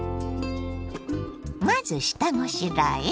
まず下ごしらえ。